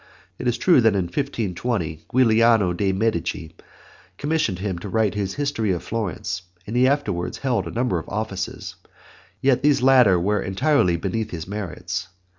It is true that in 1520 Giuliano de' Medici commissioned him to write his History of Florence, and he afterwards held a number of offices, yet these latter were entirely beneath his merits.